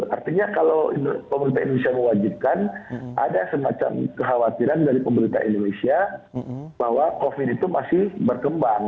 artinya kalau pemerintah indonesia mewajibkan ada semacam kekhawatiran dari pemerintah indonesia bahwa covid itu masih berkembang